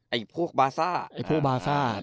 ไอ้พวกบาซ่า